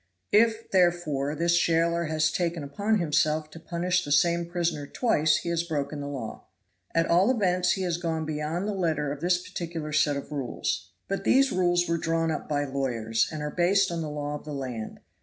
"If, therefore, this jailer has taken upon himself to punish the same prisoner twice he has broken the law." "At all events he has gone beyond the letter of this particular set of rules." "But these rules were drawn up by lawyers, and are based on the law of the land.